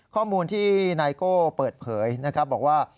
ข้อมูลที่นายโก้เปิดเผยนะครับบอกว่า